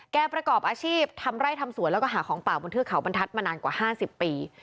ประกอบอาชีพทำไร่ทำสวนแล้วก็หาของป่าบนเทือกเขาบรรทัศน์มานานกว่า๕๐ปี